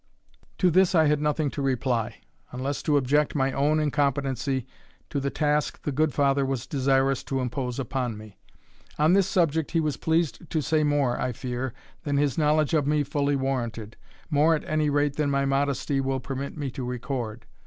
To this I had nothing to reply, unless to object my own incompetency to the task the good father was desirous to impose upon me. On this subject he was pleased to say more, I fear, than his knowledge of me fully warranted more, at any rate, than my modesty will permit me to record.